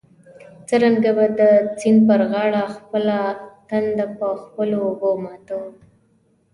څرنګه به د سیند پر غاړه خپله تنده په خپلو اوبو ماتوو.